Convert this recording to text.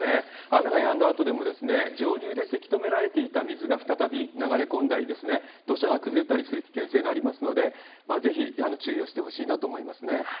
雨がやんだあとでも、上流でせき止められていた水が再び流れ込んだり、土砂が崩れたりする危険性がありますので、ぜひ注意をしてほしいなと思いますね。